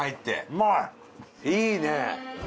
うまい！いいね。